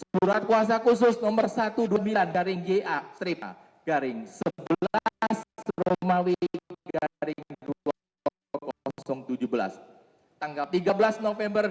surat kuasa khusus nomor satu dua puluh sembilan daring ga sripa garing sebelas romawi garing dua ribu tujuh belas tanggal tiga belas november dua ribu dua puluh